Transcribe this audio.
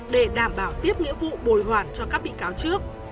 để đảm bảo tiếp nghĩa vụ bồi hoàn cho các bị cáo trước